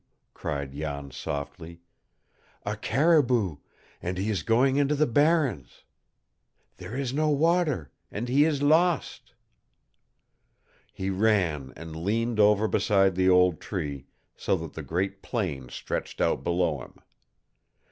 cried Jan softly. "A caribou, and he is going into the barrens. There is no water, and he is lost!" He ran and leaned over beside the old tree, so that the great plain stretched out below him.